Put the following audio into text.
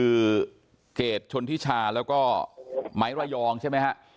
คือเกรดชนทิชาแล้วก็ไหมระยองใช่ไหมฮะ